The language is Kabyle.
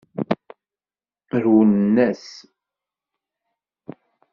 Rewlen-as.